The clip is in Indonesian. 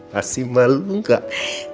masih malu gak